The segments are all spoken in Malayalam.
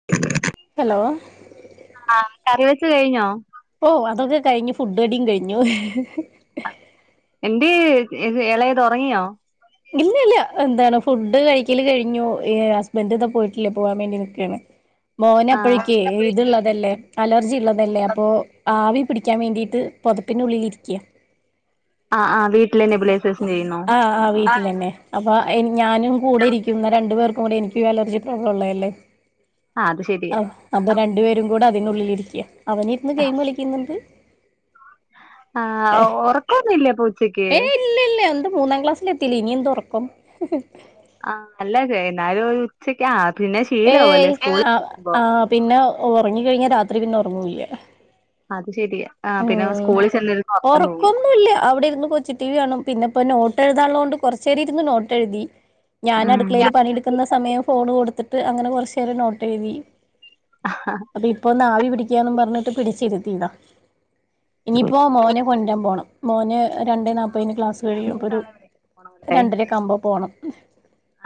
[unintelligible] ഹലോ ആ കറി വെച്ച് കഴിഞ്ഞോ. ഓ അതൊക്കെ കഴിഞ്ഞു. ഫുഡ് അടിയും കഴിഞ്ഞു. എന്തെ ഇളയത് ഉറങ്ങിയോ?. ഇല്ല ഇല്ല ല്ല എന്താണ് ഫുഡ് കഴിക്കല് കഴിഞ്ഞു ഹെ ഹസ്ബൻ്റ ഇതാ പോയിട്ടില്ല. പോവാൻ വേണ്ടി നിൽക്കണ് മോന് ആഹ് അപ്പോഴേക്ക് ഇത്ള്ളതല്ലേ അലർജി ഉള്ളതല്ലേ. അപ്പോ ആവി പിടിക്കാൻ വേണ്ടിയിട്ട് പോതപ്പിനുള്ളിൽരിക്കയ. ആ ആ വീട്ടില് നെബുലൈസേഷൻ ചെയ്യുന്നു. ആ നെ അപ്പൊ ഞാനും കൂടെ ഇരിക്കും ന്നാ രണ്ടു പേർക്കും കൂടി എനിക്കും അലർജി പ്രോബ്ലം ഉള്ളതല്ലേ. അത് ആ ശെരിയാ അപ്പൊ രണ്ടു പേരും കൂടെ അതിനുള്ളിൽയിരിക്കയാ. അവൻ ഇരുന്ന് ഗെയിം കളിക്കുന്നുണ്ട്. ആ ഉറക്കൊന്നില്ലേ പ്പ ഉച്ചക്ക്. ഏ ഇല്ല ഇല്ല എന്ത് മൂന്നാം ക്ലാസ്സിലെത്തിയിലെ ഇനി എന്ദ് ഉറക്കം. ആ നല്ല [unintelligible] എന്നാലും ഒരു ഉച്ചക്ക്, പിന്നെ ശീലവും ഏയ് ല്ലേ സ്കൂളിൽ ആ പോകുമ്പോ. ആ പിന്നെ ഉറങ്ങി കഴിഞ്ഞാൽ രാത്രി പിന്നെ ഉറങ്ങുല്ല. അത് ശെരിയാ ആ പിന്നെ അവൻ സ്കൂളിൽ ചെന്നിരുന്ന് ഉറക്കം തുങ്ങി ഇല്ലെ അവിടെ ഇര്ന്ന് കൊ ച്ചി ടി വി കാണും പിന്നെ ഇപ്പ നോട്ട് എഴുതാള്ളോണ്ട് കൊറച്ചേരം ഇര്ന്ന് നോട്ടെഴ്തി ഞാൻ ഉം അട്ക്കളേല് പണിയെടുക്കുന്ന സമയം ഫോണ് കൊടുത്തിട്ട് അങ്ങന കൊറച്ച് നേരം നോട്ട് എഴുതി ആ ഹാ ഇപ്പൊന്ന് ആവി പിടിക്കാന്ന് പറഞ്ഞിട്ട് പിടിച്ചിരുത്തീതാ ഇനിയിപ്പോ മോനെ കൊണ്ടുരാൻ പോണം മോന് രണ്ടെ നാൽപ്പതിന് ക്ലാസ്സ് കഴിയും അപ്പോ ഒരു മൂത്താളെ വിളിക്കാൻ രണ്ടരക്കെ ആകുമ്പോ പോണം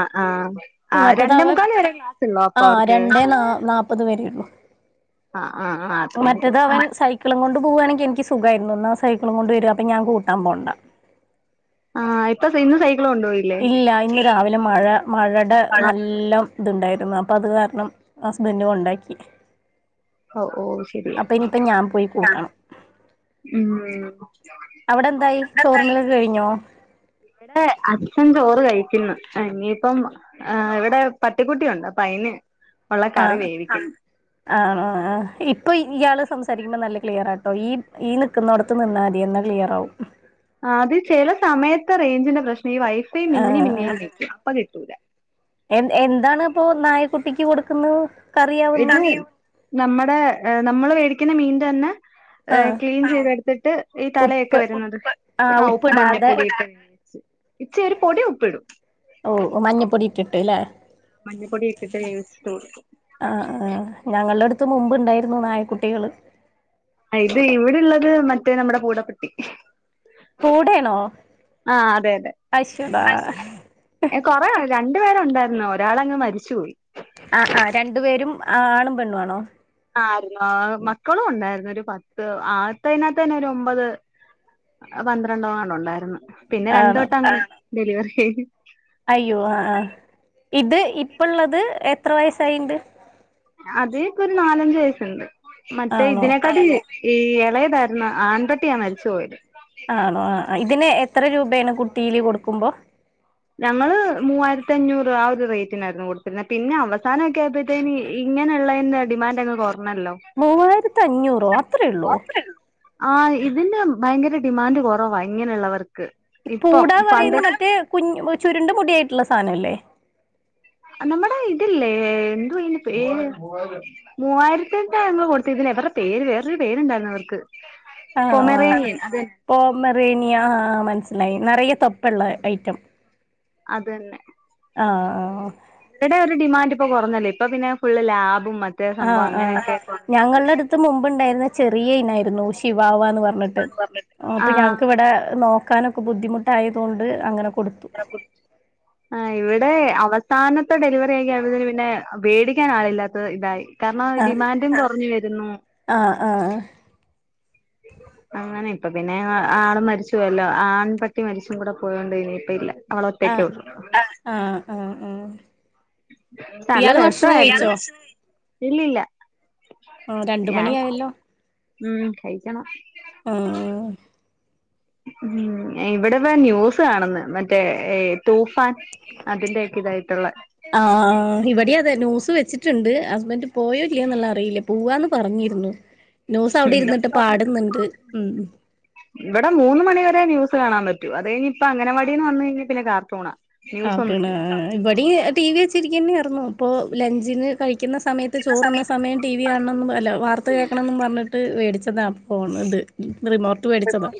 അ ആഹ് ആ മറ്റേത് രണ്ടേ അവൻ മുക്കാല് വരെ ക്ലാസ് ഉള്ളോ ആ അപ്പൊ അവർക്ക് രണ്ടേ ആഹ് നാ നാപ്പത് വരെയുള്ളൂ ആഹ് ആഹ് ആഹ് അത്രേ ഉണ്ട് ക്ക്ളും കൊണ്ട് പോവാണെങ്കി എനിക്ക് സുഖാരുന്നു ന്നാ സൈക്ക്ളും കൊണ്ട് വരാ അപ്പം ഞാൻ കൂട്ടാൻ പോണ്ട ആഹ് ഇപ്പൊ ഇന്ന് സൈക്കിള് കൊണ്ട്പോയി ഇല്ല ഇന്ന് രാവിലെ മഴ മഴേടെ നല്ലം ഇതുണ്ടായിരുന്നു അപ്പം അത് കാരണം ഹസ്ബൻഡ് കൊണ്ടാക്കി ഓ ഓ ശരിയാ അപ്പൊ ഇനിയിപ്പ ഞാൻ പോയി ആഹ് കൂട്ടണം ഉം ത്‌ന്നലൊക്കെ കഴിഞ്ഞോ? ഇവ്ടെ അച്ഛൻ ചോറ് കഴിക്കുന്നു. അ ഇനീപ്പം ആഹ്, ഇവടെ പട്ടിക്കുട്ടി ഒണ്ട്. അപ്പ അയ്ന് ഒള്ള കറി വേവിക്ക്ന്ന് ആഹ് ആഹ് ആഹ്, ഇപ്പ ഇ ഇയാള് സംസാരിക്കുമ്പം നല്ല ക്ലിയറാട്ടോ ഈപ് ഈന്ന് ക്കുന്നോടത്ത് നിന്നാതി. ന്നാ ക്ലിയറാവും [unintelligible] ആഹ്, അത് ചെല സമയത്ത് റേഞ്ചിന്റെ പ്രശ്നം ഈ വൈഫൈ മിന്നി മിന്നിയാ നിക്കണ. അപ്പ കിട്ടൂല. എൻ എന്താണ് ഇപ്പോ നായക്കുട്ടിക്ക് കൊടുക്കുന്ന? [unintelligible] മീനും നമ്മടെ ഏ നമ്മള് മേടിക്കുന്ന മീനിന്റെ തന്ന ഏഹ്, ആഹ് ക്ലീൻ ചെയ്തെടുത്തിട്ട് ഈ തലയൊക്കെ ഉപ്പ് വരുന്നത് ആഹ് ഉപ്പും മഞ്ഞപ്പൊടി ഇട്ട് അരച്ച് ഇച്ചി ഒരു പൊടി ഉപ്പിടും ഓ! മഞ്ഞപൊടി ഇട്ടിട്ട് ല്ലേ മഞ്ഞപ്പൊടി ഇട്ടിട്ട് വേവിച്ചിട്ടു കൊടുക്കും ഞങ്ങളടുത്ത് മുമ്പ് ഇണ്ടായിരുന്നു നായക്കുട്ടികള്. ആ, ഇത് ഇവിട്ള്ളത് മറ്റേ നമ്മടെ പൂടപ്പട്ടി പൂടേണോ? ആ അതെ അശ്ശോടാ. എ കൊറേ ഒ രണ്ടു പേരൊണ്ടായിരുന്നു. ഒരാളങ്ങ് മരിച്ചുപോയി ആ ആ രണ്ടു പേരും ആണും പെണ്ണു ആണോ ആരുന്നോ, മക്കളും ഒണ്ടാരുന്നു. ഒരു പത്ത് ആത്തേയ്നാത്ത് തന്നെ ഒരു ഒമ്പത്. അ പന്ത്രണ്ടോങ്ങാണ്ട് ഒണ്ടാര്ന്ന്. പിന്നെ രണ്ട് ആണ് വട്ടം [unintelligible] ഡെലിവറി അയ്യോ! ആ ആ. ഇത് ഇപ്പള്ളത് എത്ര വയസ്സായിണ്ട്? അത് ഇപ്പൊ ഒരു നാലഞ്ച് വയസ്സുണ്ട്. മറ്റേ ആണോ ഇതിനെക്കാട്ടീ ഈ എളേതാര്ന്ന ആൺപ ആ ആണോ ആ ആ. ഇതിന് എത്ര രൂപേണ് കുട്ടീല് കൊടുക്കുമ്പോ? ഞങ്ങള് മൂവായിരത്തി അഞ്ഞൂറ് ആ ഒരു റേറ്റിനാരുന്നു കൊടുത്തിരുന്നത്. പിന്നെ അവസാനം എക്കെ ആയപ്പയ് ത്തേന് ഇങ്ങനെ ഒള്ളയ്ന്റെ ഡിമാൻഡ് അങ്ങ് കൊറഞ്ഞല്ലോ മൂവായ്രത്തി അഞ്ഞൂറോ, അത്രേ ഒള്ളോ? ആ ഇതിന് ഭയങ്കര ഡിമാൻഡ് കൊറവാ ഇങ്ങനെ ഒള്ളവർക്ക്. പൂടാ ന്ന് പറയുന്ന മറ്റേ കുഞ്ഞ് ചുരുണ്ട മുടിയായിറ്റുള്ള സാനം അല്ലേ നമ്മടെ ഇത്‌ല്ലേ. എന്തുവാ ഇതിന് പേര്? മൂവായിരത്തി ഇട്ടാ ഞങ്ങള് കൊടുത്തിക്ക്ന്നേ ഇവരുടെ പേര് വേറൊരു പേരുണ്ടാരുന്നു അവർക്ക് ആണോ ആഹ്, പൊമറേനിയൻ അത് തന്നെ പോമെറേനിയ ആഹ് മനസ്സിലായി നെറയെ തൊപ്പൊള്ള ഐറ്റം അതന്നെ ആ ആ ഓ ഇവടെ ഒരു ഡിമാൻഡ് ഇപ്പൊ കൊറഞ്ഞല്ലേ. ഇപ്പ പിന്നെ ഫുള്ള് ലാബും മറ്റേ സംഭവം അങ്ങനെയൊക്കെ കുറേയുണ്ട് ഞങ്ങൾടടുത്ത് മുമ്പുണ്ടായിരുന്ന ചെറിയ ഇനാരുന്നു, ശിവാവാന്ന് പറഞ്ഞിട്ട് അപ്പൊ ആഹ് ഞങ്ങക്ക് ഇവടെ നോക്കാനൊക്കെ ബുദ്ധിമുട്ടായതുകൊണ്ട് അങ്ങനെ കൊടുത്തു. [unintelligible] ആഹ്, ഇവിടെ അവസാനത്തെ ഡെലിവറി ആ [unintelligible] പിന്നെ പേടിക്കാൻ ആളില്ലാത്ത ഇതായി. കാരണം ആഹ് ഡിമാന്റും കൊറഞ്ഞ് വരുന്നു. ആഹ് ആഹ് അ അങ്ങനെ ഇപ്പ പിന്നെ അ ആണ് മരിച്ചു പോയല്ലോ. ആൺ പട്ടി മരിച്ചും കൂടെ പോയോണ്ട് ഇനിയിപ്പയില്ല. ആളൊറ്റക്കെ ആഹ് ഉള്ളൂ [inaudible] ആഹ് ആഹ് ആഹ് നല്ല ഇയാള് രസ ഭക്ഷണം കഴിച്ചോ [unintelligible] ഇല്ലില്ല ആഹ്, ഞാൻ രണ്ട്മണിയായല്ലോ. ഉം, കൈക്കണം ഉം, ഉം ഉം, ഏ. ഇവിടിതാ ന്യൂസ് കാണന്ന് മറ്റേ തൂഫാൻ അതിന്റെയൊക്കെ ഇതായിട്ടുള്ള ആഹ് ഇവിടെ അതെ ന്യൂസ് വെച്ചിട്ടുണ്ട്. ഹസ്ബൻ്റ് പോയോ ഇല്ലയോ എന്നുള്ളറിയില്ല, പോവാന്ന് പറഞ്ഞിരുന്നു. ന്യൂസ് അവിടെ ഉം ഇരുന്നിട്ട് പാടന്നിണ്ട് ഉം ഉം. ഇവിടെ മൂന്ന് മണി വരെ ന്യൂസ് കാണാൻ പറ്റു. അത് കഴിഞ്ഞ ഇപ്പ അങ്ങനവാടിന്ന് വന്ന്‌ കഴിഞ്ഞാൽ പിന്നെ കാർട്ടൂണാ. ആഹ് പിന്നെ ന്യൂസൊന്നുല്ല ഇവിടെ ടി വി വെച്ചിരിക്കന്നെർന്നു. ഇപ്പൊ ലഞ്ചിന് കഴിക്കുന്ന സമയത്ത്, ത്ത് ചോറുണ്ണുന്ന സമയം. ടി വി കാണണോന്ന് അല്ല വാർത്ത കേൾക്കണന്ന് പറഞ്ഞിട്ട്, മേടിച്ചതാണ് ഫോണ് ഇത് റിമോർ ട്ട് മേടിച്ചതാ.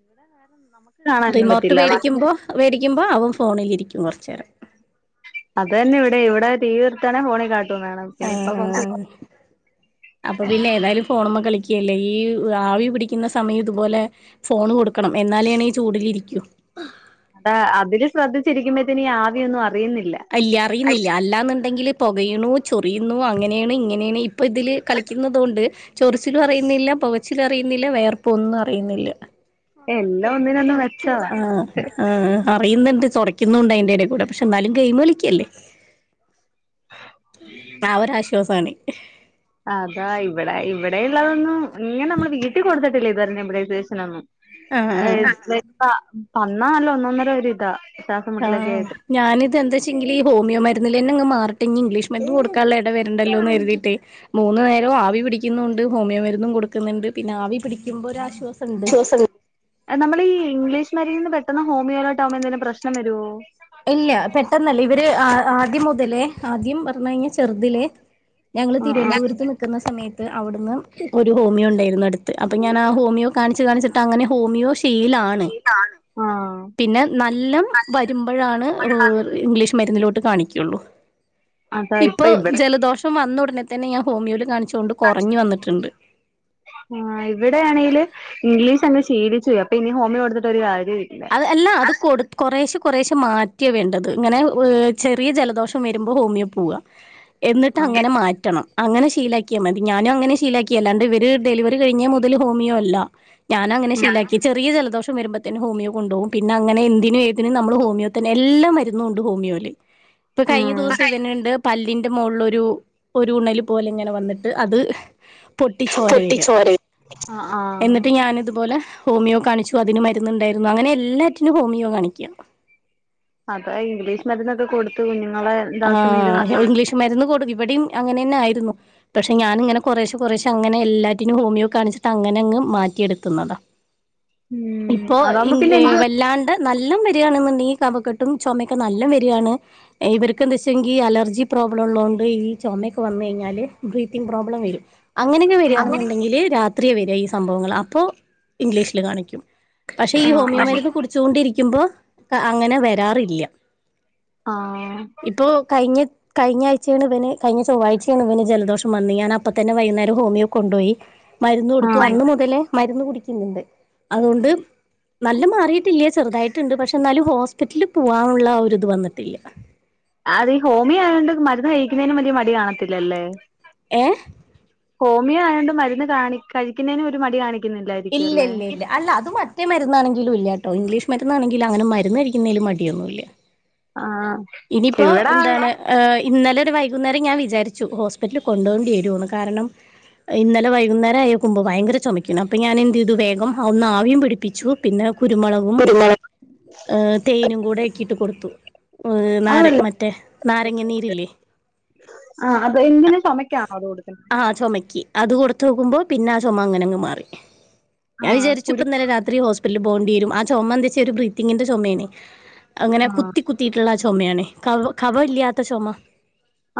ഇവിടെ വേറെ നമക്ക്, റിമോർട്ട് മേടിക്കുമ്പോൾ, മേടിക്കുമ്പോൾ അവൻ ഫോണിലിരിക്കും കൊറച്ചനേരം. അതന്നെ ഇവിടെയും. ഇവിടെ നിർത്താണേ ഫോണിൽ കാട്ടൂൺ വേണം. പിന്നെ ഇപ്പൊ കൊറച്ച് ആഹ് അപ്പൊ പിന്നെ ഏതായാലും ഫോണമ്മ കളിക്കല്ലേ. ഈ ആവി പിടിക്കുന്ന സമയം ഇതുപോലെ ഫോണ് കൊടുക്കണം. എന്നാലേ ഈ ചൂടിലിരിക്കൂ. അതാ അതില് ശ്രദ്ധിച്ചിരിക്കുമ്പോയത്തിന് ആവിയൊന്നും അറിയുന്നില്ല. ഇല്ല അറിയുന്നില്ല. അല്ലാന്നുണ്ടെങ്കിൽ പുകയണു ചൊറിയുന്നു അങ്ങനെണ് ഇങ്ങനെണ് ഇപ്പ ഇതില്, കളിക്കുന്നുതൊണ്ട്, ചോറിച്ചിലും അറിയുന്നില്ല. പൊകച്ചിലും അറിയുന്നില്ല. വേർപൊന്നും അറിയുന്നില്ല. എല്ലാം ഒന്നിനൊന്ന് [unintelligible] മെച്ചവാ ആഹ് ആഹ് അറിയുന്നുണ്ട്. തൊടയ്ക്കുന്നുണ്ട് അതിന്റെയടിൽ കൂടെ. പക്ഷെ എന്നാലും ഗെയിമകളിക്കല്ലേ. ആ ഒരാശ്വാസാണ് [inaudible] അതാ ഇവിടെ ഇവിടെയള്ളതൊന്നും ഇങ്ങനെ നമ്മള് വീട്ടിൽ കൊടുത്തിട്ടില്ല ഇതുവരെ നെബുലേസേഷനൊന്നും. ആഹ് ആഹ് [unintelligible] തന്നാ ഒന്നൊന്നര ഒരിതാ. ആഹ് ഞാനിത് എന്താച്ചെങ്കില്, ഈ ഹോമിയ മരുന്നിലങ്ങ മാറിട്ടെ ഇനി ഇംഗ്ലീഷ് മരുന്ന് കൊടുക്കാനുള്ള ഇട വരണ്ടല്ലോന്നരുതീട്ടെ. മൂന്നു നേരവും ആവി പിടിക്കുന്നുണ്ട്. ഹോമിയോ മരുന്നും കൊടുക്കുന്നുണ്ട്. പിന്നെ ആവി പിടിക്കുമ്പോൾ ഒരു ആശ്വാസം. [unintelligible] നമ്മളീ ഇംഗ്ലീഷ് മരുനീന്ന് പെട്ടന്ന്‌ ഹോമിയോ ലോട്ടാവുമ്പോന്തേങ്കിലും പ്രശ്നം വരുവോ? ഇല്ല പെട്ടെന്നല്ല. ഇവര് ആദ്യം മുതലേ ആദ്യം പറഞ്ഞ യഞ്ഞാൽ ചെറുതിലേ, ഞങ്ങള് ആ തിരുവന്തപുത്ത് നി ക്കുന്ന സമയത്ത്, അവിടുന്ന് ഒരു ഹോമിയോ ഒരു ഹോമിയോണ്ടായിരുന്നു അടുത്ത്. അപ്പൊ ഞാൻ ആ ഹോമിയോ കാണിച്ച് കാണിച്ചിട്ട് അങ്ങനെ ഹോമിയോ ഇഷ് ഫീലാണ്. ആ പിന്നെ നല്ലം വരും ആണ് ഇംഗ്ലീഷ് മരുന്നിലോട്ട് കാണിക്കുള്ളൂ. ആ അതാ ഇപ്പോ ഇപ്പൊ ഇവിടെ ജലദോഷ ഷം വന്നുടന തന്നെ ഞാ ഹോമിയോല് കാണിച്ചോണ്ട്, കുറഞ്ഞു കാണിച്ചോണ്ട് വന്നിട്ടുണ്ട് [unintelligible] ആഹ് ഇവിടെയാണെങ്കില് ഇംഗ്ലീഷ് അങ്ങ് ശീലിച്ചു പോയി. അപ്പൊ ഇനി ഹോമി കൊടുത്തിട്ട് ഒരു കാര്യല്ല. അത് എല്ലാ അത് കൊടു കുറേശ കുറേശ മാറ്റിയാണ് വേണ്ടത്. ഇങ്ങനെ ചെറിയ ജലദോഷം വരുമ്പോൾ ഹോമിയോ പോവ. എന്നിട്ട് ആ അങ്ങനെ മാറ്റണം. അങ്ങനെ ശീലാക്കിയാ മതി. ഞാനും അങ്ങനെ ശീലാക്കിയല്ലാണ്ട്, ഇവര് ഡെലിവറി കഴിഞ്ഞ മുതൽ ഹോമിയോ അല്ല. ഞാനങ്ങനെ ശീലാക്കി. ചെറിയ ജലദോഷം വരുമ്പോത്തിനും ഹോമിയോ, കൊണ്ടോകും. പിന്നെ അങ്ങനെ എന്തിനും ഏതിനും നമ്മള് ഹോമിയോത്തന്നെ, എല്ലാം മരുന്നും ഉണ്ട് ഹോമിയോല്. ഇപ്പൊ കഴിഞ്ഞ ഉം ദിവസം ഇവനുണ്ട് പല്ലിൻ ന്റെ മോളില് ഒരു ഉണല് പോലെ ഇങ്ങനെ വന്നിട്ട് അത്, പൊട്ടിച്ചോര വര്യ. ആ ആ എന്നിട്ട് ഞാൻ ഇതുപോലെ, ഹോമിയോ കാണിച്ചു. അതിന് മരുന്നുണ്ടായിരുന്നു. അങ്ങനെ എല്ലാറ്റിനും ഹോമിയോ കാണിക്ക. അതാ ഇംഗ്ലീഷ് മരുന്നൊക്കെ കൊടുത് കുഞ്ഞുങ്ങളെ, ഇതാക്കുന്നത് ആഹ നല്ലത് ഇംഗ്ലീഷ് മരുന്ന് കൊടു ഇവിടിം അങ്ങനെ തന്നെ ആയിരുന്നു. പക്ഷെ ഞാനിങ്ങനെ, കുറേശ കുറേശ അങ്ങനെ എല്ലാറ്റിനും ഹോമിയോ കാണിച്ചിട്ട് അങ്ങനെങ് മാറ്റിയെടുക്കുന്നതാ. ഉം ഇപ്പോ അതാവുമ്പോ പിന്നെ ഇങ് എനിക്ക് വല്ലാണ്ട്, നല്ലം വരികയാണെന്നു ണ്ടെങ്കിൽ കഫക്കെട്ടും ചുമൊക്കെ നല്ലം വരികയാണ്. ഇവര് ക്ക് എന്ത് വെച്ചെങ്കിൽ, അലർജി പ്രോബ്ലം ഉള്ളതോണ്ട് ചുമക്കെ വന്നു കഴിഞ്ഞാല്, ബ്രിത്തിങ് പ്രോബ്ലം വരും. അങ്ങനെങ്ങനെ ആ വരികയാണെന്നുണ്ടെങ്കില് രാത്രിയെ വരിക ഈ സംഭവങ്ങൾ. അപ്പോ ഇംഗ്ലീഷില് കാണിക്കും. പക്ഷെ ഈ ഹോമിയോ ആ മരുന്ന് കുടിച്ചോണ്ടിരിക്കിമ്പോ, ക അങ്ങനെ വരാറില്ല. ആഹ ഇപ്പോ കഴിഞ്ഞ കഴിഞ്ഞ ആഴ്ചയാണ് ഇവന് കഴിഞ്ഞ ചൊവ്വാഴ്ചയാണ് ഇവന് ജലദഷം വന്ന് ഞാൻ അപ്പ തന്നെ വൈകുന്നരം ഹോമിയോ കൊണ്ടോയി മരുന്ന് ആ കൊടുത്തു ആ അന്ന് മുതലേ മരുന്ന് കുടിക്കുന്നുണ്ട് അതോണ്ട് നല്ല മാറിയിട്ടില്ലേ ചെറുതായിട്ട്ണ്ട് പക്ഷെ എന്നാലും ഹോസ്പിറ്റലിൽ പോകാനുള്ളരി ഇത് വന്നിട്ടില്ല അത് ഈ ഹോമി ആയൊണ്ട് മരുന്ന് കഴിക്കുന്നതിനും വലിയ മടി കാണത്തില്ലല്ലേ ഏഹ ഹോമിയോ ആതുകൊണ്ട് മരുന്ന് കാണ കഴിക്കുന്നതിനും ഒരു മടി കാണി ഇല്ല ഇല്ല ഇല്ല അല്ല അത് മതി മരുന്നാണെങ്കില ഇല്ല കേട്ടോ ഇംഗ്ലീഷ് മരുന്നാണെങ്കിൽ അങ്ങനെ മര്ന്ന് കരിക്കുന്നതിും മടിയന്നുല്ല്യ ആഹ ഇനിപ്പോ എന്താണ് ഇന്നലെരു വൈകുന്നേരം ഞാൻ വിചാരിച്ചു ഹോസ്പിറ്റലിൽ കൊണ്ടോണ്ടി വരോന്ന് കാരണം ഇന്നലെ വൈകുന്നേരം ആയക്കുമ്പോ ഭയങ്കര ചുമക്കുണു അപ്പൊ ഞാൻ എന്തു ഇതു വേഗം ഒന്ന് ആവിയം പിടിപ്പിച്ചു പിന്നെ കുരുമുളകും തേനും കൂടെക്കിട്ട് കൊടുത്തു നാര അതല്ല മറ്റേ നാരങ്ങ നീരില്ലേ ആ് അത് എന്തിന് ചുമമക്കാണോ അതോ കൊടുക്കുന്നത് ആ ചുമയ്ക്ക് അത് കൊടുത്ത നോക്കുമ്പോ പിന്നെ ആ ചുമ അങ്ങനെ അങ് മാറി ഞാൻ ആഹ് വിചരിച്ചു കുരു ഇപ്പോ ഇന്നെലെ രാത്രി ഹോസ്പിറ്റലിൽ പോവേണ്ടി വരും ആ ചുമ എന്തെച്ച ഒരു ബ്രീത്തിങ്ങിന്റെ ചുമേണെ അങ്ങനെ ആഹ് കുത്തി കുത്തിയിട്ടുള്ള ആ ചുമയാണ് ക കവ ഇല്ലാത്ത ചുമ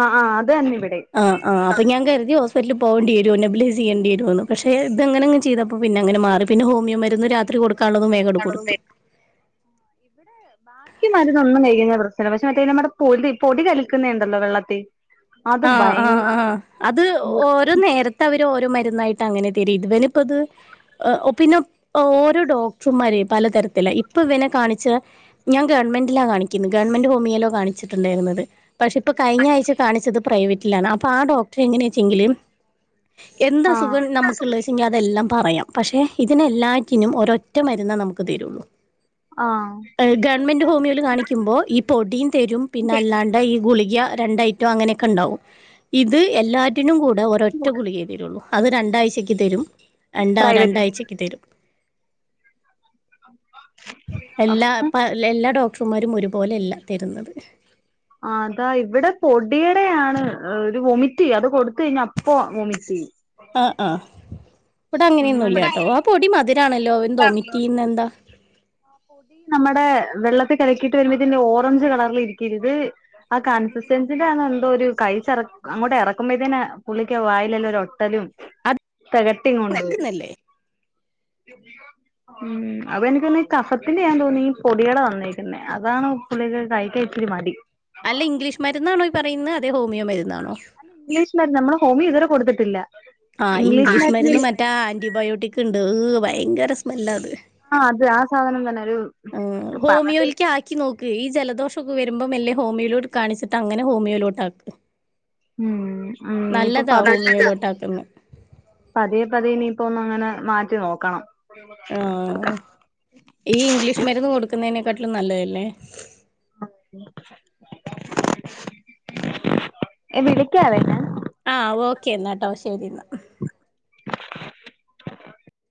ആ ആ അത്തന്നെ ഇവിടെ ആ ആഹാ അപ്പോ ഞാൻ കരുതി ഹോസ്പിറ്റിൽ പോവേണ്ടിവരോ നബിലൈസ് ചെയ്യേണ്ട വരുമന്ന് പക്ഷെ ഇതങ്ങനെങ് ചെയ്താപ്പോ അപ്പ പിന്നെങ്ങനെ മാറി പിന്ന ഹോമിയോ മരുന്ന് രാത്രി കൊടുക്കാനുള്ളതുംവേ [unintelligible] ബാക്കി മരന്ന്ന്നും കഴകുന്ന പ്രശ്നംല്ല്യ പക്ഷെ മറ്റേ നമ്മടെ പൊ പൊടി കലിക്കുന്നേണ്ടല്ലോ വെള്ളത്തിൽ ആഹ ആഹ ആഹ അത് ഓരോ നേര് ത് ഓരോ മരുന്നായിട്ട് അങ്ങനെ തരേക്കും ഇവാനിപ്പത് പിന്നെ ഓരോ ഡോക്ടർമാര പലതരത്തില ഇപ്പൊ ഇവനെ കാണിച്ച ഞാൻ ഗവൺമെന്റിലാ കാണിക്കുന്നു ഗവൺമെന്റ് ഹോമിയല്ലോ കാണിച്ചിട്ടണ്ടായിരുന്നത് പക്ഷെ ഇപ്പോ കഴിഞ്ഞ ആഴ്ച കാണിച്ചത് പ്രൈവറ്റിലാണ് അപ്പൾ ആ ഡോക്ടറെ എങ്ങനെയ വെച്ചെങ്കില് എന്താ ആഹ് സുഖം നമുക്കള്ളെ ന്താവെച്ച പറയാം പക്ഷെ ഇതിനെല്ലാറ്റിനും ഒരൊറ്റ മരുന്ന നമുക്ക് തരുള്ളൂ ആഹ ഗവൺമെൻറ് ഹോമുകൾ കാണിക്കുമ്പോൾ ഈ പൊട്ടീൻ തരും പിന്നെ അല്ലാണ്ട് ഈ ഗുളിക രണ്ട ഐറ്റം അങ്ങനെ ഉണ്ടാവും ഇത് എല്ലാറ്റിനും കൂടെ ഒരൊറ്റ ഗുളിക തരുള്ളൂ അത് രണ്ടാഴ്ചക്ക് തരും രണ്ട പ്രൈവറ്റ് രണ്ടാഴ്ചക്ക് തരും എല്ലാ അപ്പം എല്ലാ ഡോക്ടർമാരും ഒരുപോലെല്ല തരുന്നത് ആ അതാ ഇവിടെ പൊടിയടെയാണ് ഒരു വൊമിറ്റ് ചെയ്യ അത് കൊടുത്ത കഴിഞ്ഞാ അപ്പ വൊമിറ്റ് ചെയ്യും ആഹ് ആഹ് ഇവിടെ ചെയ്യും അങ്ങനെയൊന്നുംല്ല കേട്ടോ അങ്ങനെ ആ പൊടി മധുരാണല്ലോ അവൻ തോമിറ്റ ചെയന്ന് എന്താ ടി നമ്മടെ വെള്ളത്തി കലക്കിട്ട് വരുമ്പോ ഇതിന്റെ ഓറഞ്ച് കളറൽ ഇരിക്കരുത് ആ കൺസിസ്റ്റൻസിയിലാണ് എന്തോ ഒരു കൈ ചറ അങ്ങോട്ട് ഇറക്കുമ്പോഴ ഇേനെ പുുള്ളിക്ക വായലല്ലോ ഒ ഒട്ടലും അത് തകട്ടിണ മരുന്നല്ലേ ഉം അപ്പ എനക്കന്ന [unintelligible] കഫത്തിന്റെ ഞാൻ തോന്നി പൊടിയടെ വന്നിരിക്കുന്നെ അതാണ് ഉപ്പുള്ളിക്ക് കൈ ക ഇറ്റിരി മതി അല്ല ഇംഗ്ലീഷ് മരുന്നാണോ ഈ പറയുന്നത് അതെ ഹോമിയോ മരുന്നാണോ ഇംഗ്ലീഷ്മാർ നമ്മ ഹോി ഇതുവരെ കൊടുത്തിട്ടില്ല ആഹ് ഇംഗ്ലീഷ് മരുന്ന് മറ്റേ ആന്റിബയോട്ടിക്ക് ഉണ്ട് ഭയങ്കര സ്മെല്ലാ അത് ആഹ അത് ആ സാധനം തന്നെ ഒരു ഉ പറ ഹോമിയോേക്ക് ആ ക്കി നോക്ക് ഈ ജലദോഷം ഒക്കെ വരുമ്പം മല്ലെ ഹോമിയോലോട്ട് കാണിച്ചിട്ട് അനെ ഹോമിയോലോട്ട് ആക്ക് ഉം ഉ ഇപ്പൊ നല്ലതാ പറ ഹോമിയോയിലോട്ടാക്കുന്നെ പതിയെ പതിയെ ഇനിയിപ്പ ഒന്ന് അങ്ങനെ മാറ്റി നോക്കണം ആഹ് ഈ ഇംഗ്ലീഷ് മരുന്ന് കൊടുക്കുന്നതിനെക്കാട്ടിലും നല്ലതല്ലേ എവിളിക്കാ വേന്ന് ആഹ്ഓക്കൊ അന്നാട്ടോ ശരി എന്ന